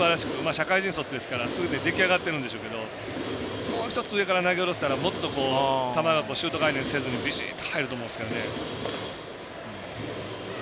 社会人卒ですから、すでに出来上がってるんでしょうけどもう１つ上から投げ下ろせたらもっと球がシュート回転せずにビシッと入ると思うんですけどね。